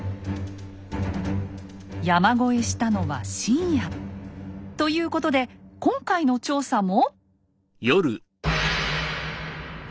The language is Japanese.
山越えしたのは深夜。ということで今回の調査も。